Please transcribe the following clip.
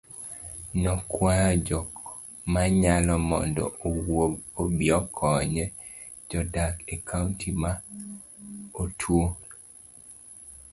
nokwayo jokmanyalo mondo owuog obiokony jodak ekaonti ma otuwo